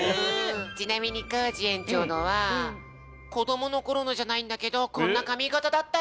ちなみにコージ園長のはこどものころのじゃないんだけどこんなかみがただったよ。